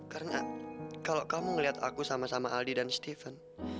karena kalau kamu ngeliat aku sama sama aldi dan steven